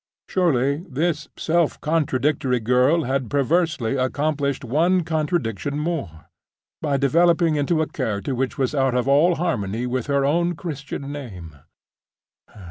Surely, this self contradictory girl had perversely accomplished one contradiction more, by developing into a character which was out of all harmony with her own Christian name!